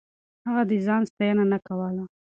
هغه د ځان ستاينه نه کوله.